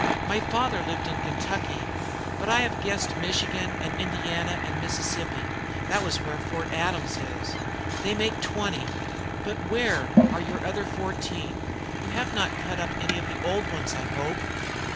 My father lived in Kentucky. But I have guessed Michigan and Indiana and Mississippi, that was where Fort Adams is, they make twenty. But where are your other fourteen? You have not cut up any of the old ones, I hope?'